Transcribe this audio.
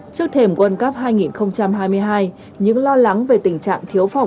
trước thềm world cup hai nghìn hai mươi hai những lo lắng về tình trạng thiếu phòng